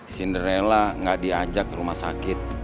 cinderella tidak diajak ke rumah sakit